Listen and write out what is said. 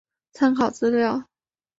参考资料